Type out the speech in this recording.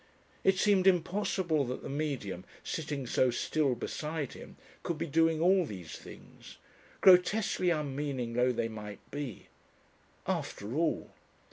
It seemed impossible that the Medium, sitting so still beside him, could be doing all these things grotesquely unmeaning though they might be. After all....